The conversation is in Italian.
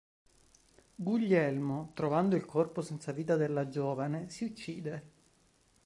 Guglielmo, trovando il corpo senza vita della giovane, si uccide.